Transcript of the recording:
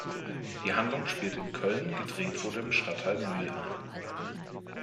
Die Handlung spielt in Köln, gedreht wurde im Stadtteil Mülheim.